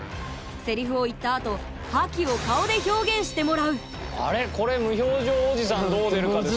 セリフを言った後覇気を顔で表現してもらうあれこれ無表情おじさんどう出るかですよね。